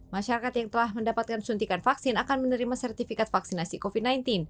masyarakat yang telah mendapatkan suntikan vaksin akan menerima sertifikat vaksinasi covid sembilan belas